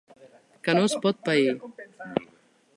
Que no es pot pair.